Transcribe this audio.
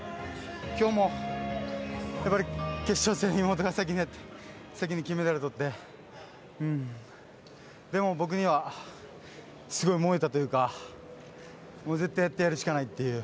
今日も決勝戦を妹が先にやって先に金メダルとってでも、僕にはすごく燃えたというか絶対やってやるしかないという。